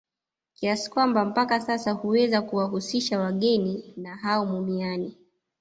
Kiasi kwamba mpaka sasa huweza kuwahusisha wageni na hao mumiani